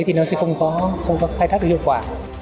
thì nó sẽ không có khai thác được hiệu quả